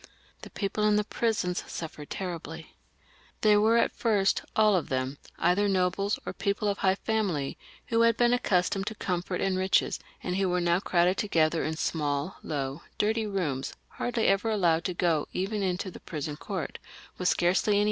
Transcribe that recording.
The people in the prisons suffered terribly; they were at first, all of them, either nobles or people of high family, who had been accustomed to comfort and riches, and who were now crowded together in small, low, dirty rooms, hardly ever allowed to go even into the prison court, with scarcely any 2 E 418 THE REVOLUTION. [CH.